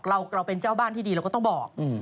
เราเป็นเจ้าบ้านที่ดีเราก็ต้องบอก